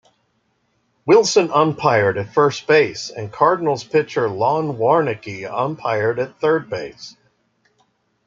Wilson umpired at first base, and Cardinals' pitcher Lon Warneke umpired at third base.